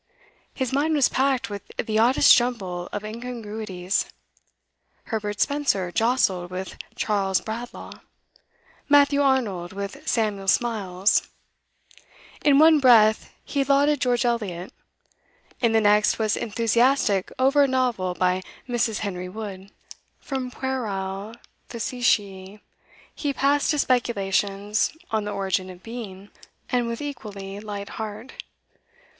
His mind was packed with the oddest jumble of incongruities; Herbert Spencer jostled with Charles Bradlaugh, Matthew Arnold with Samuel Smiles; in one breath he lauded George Eliot, in the next was enthusiastic over a novel by Mrs. Henry Wood; from puerile facetiae he passed to speculations on the origin of being, and with equally light heart.